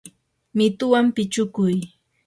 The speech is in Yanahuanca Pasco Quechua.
mituwan pichukuy.